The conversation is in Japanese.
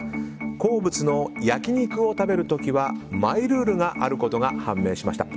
好物の焼き肉を食べる時はマイルールがあることが判明しました。